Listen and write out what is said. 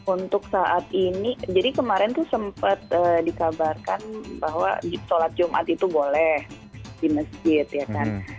untuk saat ini jadi kemarin tuh sempat dikabarkan bahwa sholat jumat itu boleh di masjid ya kan